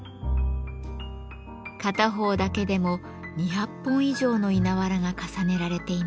片方だけでも２００本以上の稲わらが重ねられています。